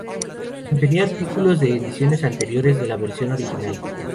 Contenía artículos de ediciones anteriores de la versión original.